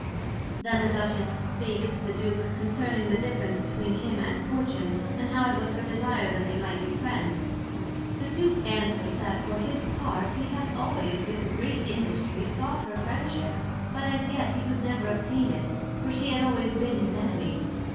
Then the Duchess spake to the Duke concerning the difference between him and Fortune, and how it was her desire that they might be friends. The Duke answered, That for his part he had always with great industry sought her friendship, but as yet he could never obtain it, for she had always been his Enemy.